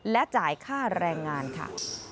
และจ่ายค่าแรงงานค่ะ